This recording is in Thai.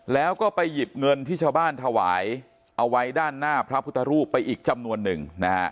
แล้วก็ไปหยิบเงินที่ชาวบ้านถวายเอาไว้ด้านหน้าพระพุทธรูปไปอีกจำนวนหนึ่งนะฮะ